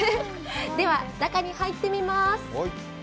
では、中に入ってみます。